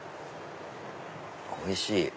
おいしい！